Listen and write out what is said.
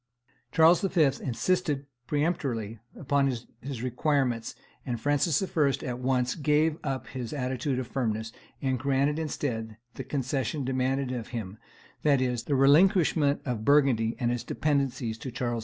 Charles V. insisted peremptorily upon his requirements; and Francis I. at once gave up his attitude of firmness, and granted, instead, the concession demanded of him, that is, the relinquishment of Burgundy and its dependencies to Charles V.